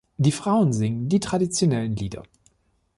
Die Frauen singen die traditionellen Lieder.